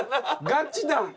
ガチだ。